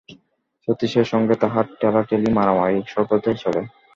সতীশের সঙ্গে তাহার ঠেলাঠেলি মারামারি সর্বদাই চলে।